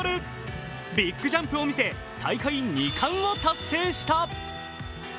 ビッグジャンプを見せ、大会２冠達成した。